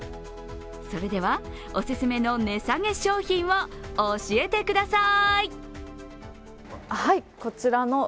それでは、お勧めの値下げ商品を教えて下さい！